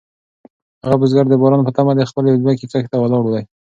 هغه بزګر د باران په تمه د خپلې ځمکې کښت ته ولاړ دی.